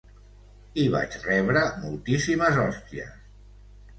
I vaig rebre moltíssimes hòsties.